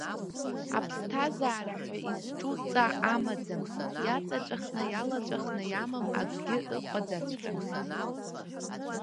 Аԥсҭазаара ҳәа изҿу ҵа амаӡам, иаҵаҵәахны, иалаҵәахны иамам акгьы ыҟаӡаҵәҟьам.